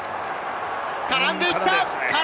絡んでいった！